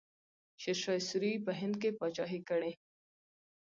شیرشاه سوري په هند کې پاچاهي کړې.